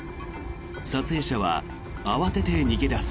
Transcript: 撮影者は慌てて逃げ出す。